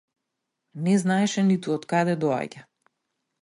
Не знаеше ниту од каде доаѓа.